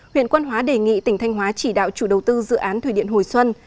huyện quan hóa đề nghị tỉnh thanh hóa chỉ đạo chủ đầu tư dự án thủy điện hồi xuân